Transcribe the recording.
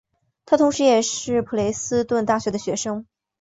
他同时也是普雷斯顿大学的学生。